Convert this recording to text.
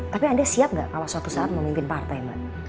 tapi anda siap nggak kalau suatu saat memimpin partai mbak